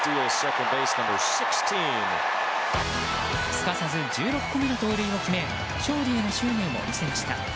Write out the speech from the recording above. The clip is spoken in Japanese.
すかさず１６個目の盗塁を決め勝利への執念を見せました。